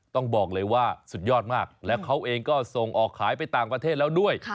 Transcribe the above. ต้องบอกเลยว่าสุดยอดมากแล้วเขาเองก็ส่งออกขายไปต่างประเทศแล้วด้วย